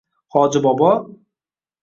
- Hoji bobo